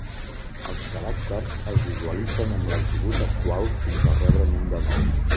Els caràcters es visualitzen amb l'atribut actual fins a rebre'n un de nou.